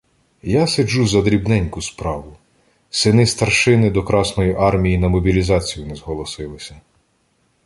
— Я сиджу за дрібненьку справу: сини-старшини до Красної армії на мобілізацію не зголосилися.